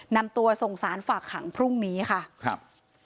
นำตัวส่งสารฝากขังพรุ่งนี้ค่ะครับ